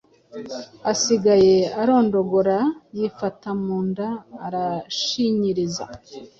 asigaye arondogora yifata mu nda arashinyiriza